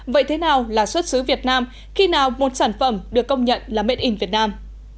vậy thế nào là xuất xứ việt nam khi nào một sản phẩm được công nhận là made in việt nam